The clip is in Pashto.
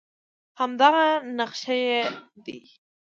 همدغه نقش یې دی